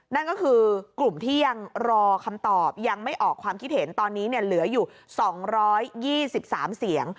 นั่นก็คือกลุ่มที่ยังรอคำตอบยังไม่ออกความคิดเห็นตอนนี้เหลืออยู่๒๒๓เสียง